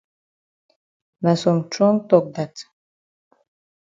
Na some trong tok dat.